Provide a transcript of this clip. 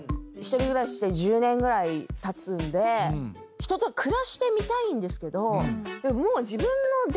１人暮らしして１０年ぐらいたつんで人と暮らしてみたいんですけど。